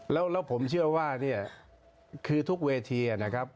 แล้วผมเชื่อว่าเนี่ยคือทุกเวทีนะครับ